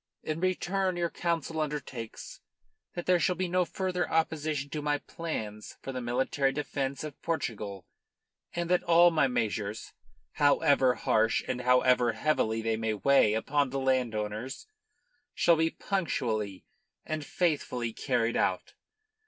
In return your Council undertakes that there shall be no further opposition to my plans for the military defence of Portugal, and that all my measures however harsh and however heavily they may weigh upon the landowners, shall be punctually and faithfully carried out.